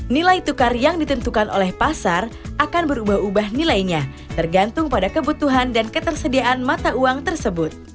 nilai tukar yang ditentukan oleh pasar akan berubah ubah nilainya tergantung pada kebutuhan dan ketersediaan mata uang tersebut